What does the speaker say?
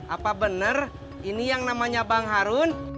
apa benar ini yang namanya bang harun